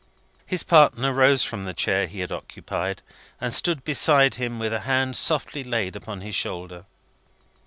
His partner rose from the chair he had occupied, and stood beside him with a hand softly laid upon his shoulder.